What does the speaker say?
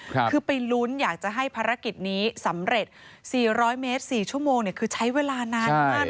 คือไปลุ้นอยากจะให้ภารกิจนี้สำเร็จสี่ร้อยเมตรสี่ชั่วโมงเนี่ยคือใช้เวลานานมากเลย